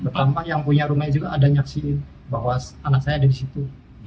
pertama yang punya rumah juga ada nyaksi bahwa anak saya ada di situ